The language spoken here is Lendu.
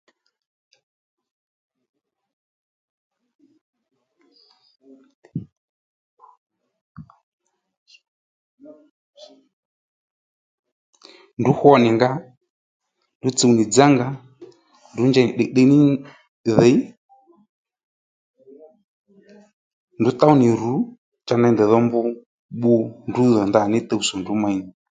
Ndrǔ hwo nì nga ndrǔ tsuw nì dzá nga ndrǔ njey nì tdiytdiy ní dhǐy ndrǔ tów nì rù cha ney ndèy dho mb bbù ndrǔ dhò ndanà ní tuwtsò ndrǔ mey nì